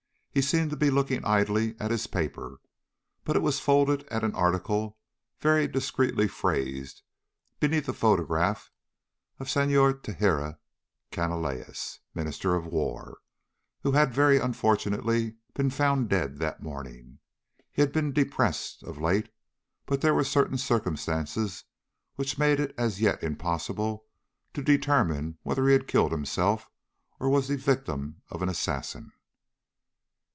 He seemed to be looking idly at his paper, but it was folded at an article very discreetly phrased, beneath a photograph of Senhor Teixeira Canalejas, Minister of War, who had very unfortunately been found dead that morning. He had been depressed, of late, but there were certain circumstances which made it as yet impossible to determine whether he had killed himself or was the victim of an assassin.